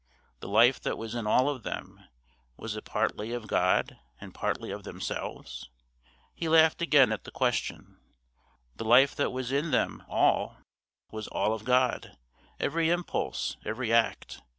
The life that was in all of them, was it partly of God and partly of themselves? He laughed again at the question. The life that was in them all was all of God, every impulse, every act.